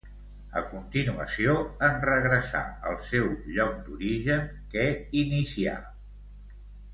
A continuació, en regressar al seu lloc d'origen, què inicià?